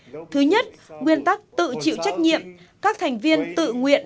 được các chuyên gia chia sẻ thứ nhất nguyên tắc tự chịu trách nhiệm các thành viên tự nguyện